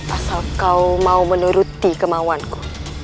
asal kau mau menuruti kemauanku